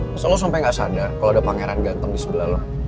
masa lo sampai nggak sadar kalau ada pangeran ganteng di sebelah lo